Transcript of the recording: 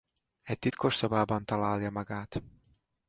Egy titkos szobában találja magát.